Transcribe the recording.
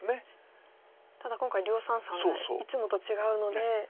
ただ今回両三々でいつもと違うので。